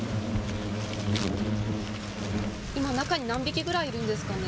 今、中に何匹ぐらいいるんですかね？